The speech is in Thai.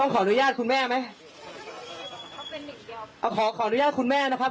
ต้องขออนุญาตคุณแม่ไหมขออนุญาตคุณแม่นะครับ